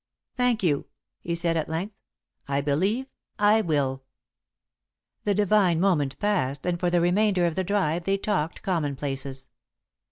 "Thank you," he said, at length. "I believe I will." The divine moment passed, and, for the remainder of the drive, they talked commonplaces.